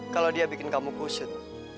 kalau dia bikin kamu kusut